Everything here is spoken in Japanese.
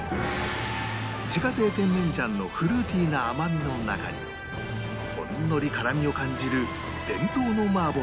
自家製甜麺醤のフルーティーな甘みの中にほんのり辛みを感じる伝統の麻婆豆腐